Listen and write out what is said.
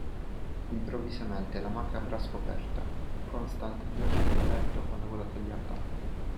Improvvisamente la macabra scoperta: Constant giace nel letto con la gola tagliata.